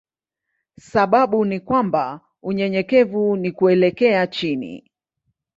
Sababu ni kwamba unyenyekevu ni kuelekea chini.